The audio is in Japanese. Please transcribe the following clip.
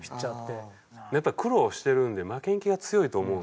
やっぱり苦労してるんで負けん気が強いと思うんでね